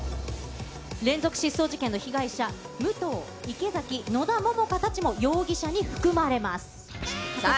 連続失踪事件の被害者、武藤、池崎、野田桃花たちも容疑者に含さあ